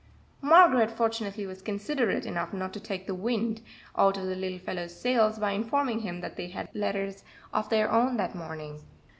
(Margaret fortunately was considerate enough not to take the wind out of the little fellow's sails by informing him that they had had letters of their own that morning.)